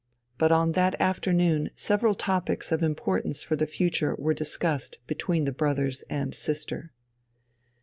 But on that afternoon several topics of importance for the future were discussed between the brothers and sister.